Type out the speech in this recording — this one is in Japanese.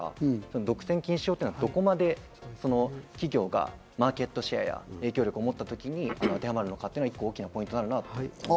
独占禁止法というのはどこまで企業がマーケットシェアや影響力を持ったときに当てはまるのか、大きなポイントになるなと。